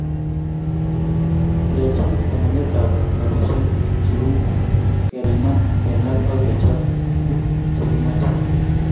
kecham somanetab nobishet cheu; kepiman, kenap ak kechap tuguk chegimache